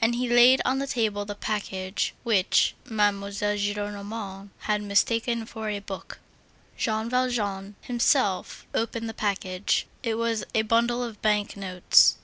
And he laid on the table the package which Mademoiselle Gillenormand had mistaken for a book. Jean Valjean himself opened the package; it was a bundle of bank notes.